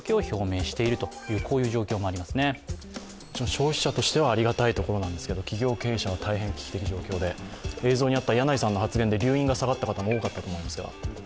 消費者としてはありがたいところなんですけど企業経営者は大変危機的な状況で映像にあった柳井さんの発言で溜飲が下がった方も多かったと思いますが。